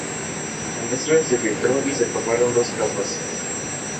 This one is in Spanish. La mezcla se filtró y se formaron dos capas.